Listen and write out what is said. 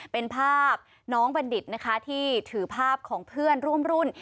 เป็นภาพน้องบัณฑิตที่ถือภาพของเพื่อนรุ่น